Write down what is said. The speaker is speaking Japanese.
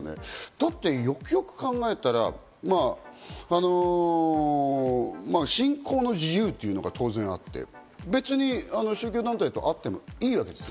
だってよくよく考えたら、信仰の自由というのが当然あって、別に宗教団体とあってもいいわけです。